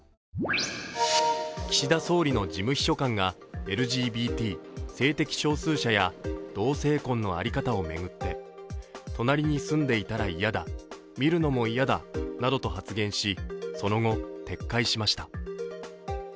岸田総理の事務秘書官がＬＧＢＴ＝性的少数者や同性婚の在り方を巡って隣に住んでいたら嫌だ、見るのも嫌だなどと発言し、その後、撤回しました。